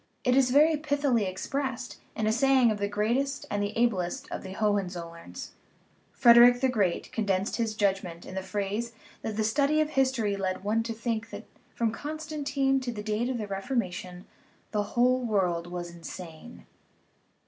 It is very pith'ly expressed in a saying of the greatest and the ablest of the Hohenzollerns ; Frederick the Great con densed his judgment in the phrase that the study of his tory led one to think that from Constantine to the date of the Reformation the whole world was insane.